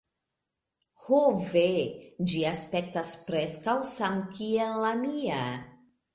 Ho, ve. Ĝi aspektas preskaŭ samkiel la mia!